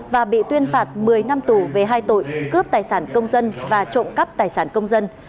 và bị tuyên phạt một mươi năm tù về hai tội cướp tài sản công dân và trộm cắp tài sản công dân